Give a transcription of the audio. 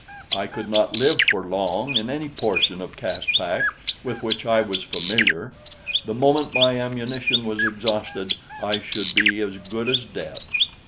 I could not live for long in any portion of Caspak with which I was familiar; the moment my ammunition was exhausted, I should be as good as dead.